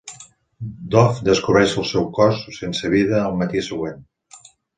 Dov descobreix el seu cos sense vida el matí següent.